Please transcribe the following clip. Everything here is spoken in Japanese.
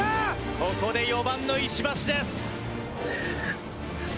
ここで４番の石橋です。